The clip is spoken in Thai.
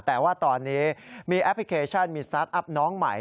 แต่ว่าตอนนี้มีแอปพลิเคชันมีสตาร์ทอัพน้องใหม่